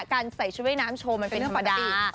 การใส่ชุดเว้ยน้ำโชว์มันเป็นธรรมดา